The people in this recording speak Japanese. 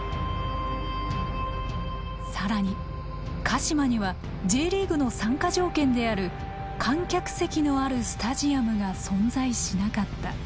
更に鹿嶋にはＪリーグの参加条件である観客席のあるスタジアムが存在しなかった。